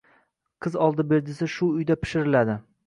Qiz oldi-berdisi shu uyda "pishiriladi"